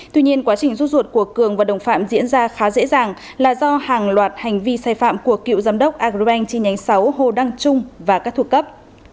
tuy nhiên quá trình rút ruột của cường và đồng phạm diễn ra khá dễ dàng là do hàng loạt hành vi sai phạm của cựu giám đốc agribank chi nhánh sáu hồ đăng trung và các thuộc cấp